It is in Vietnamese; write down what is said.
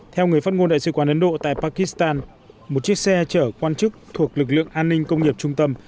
theo người phát ngôn đại sứ quán ấn độ tại pakistan một chiếc xe chở quan chức thuộc lực lượng an ninh công nghiệp trung tâm